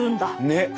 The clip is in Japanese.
ねっ。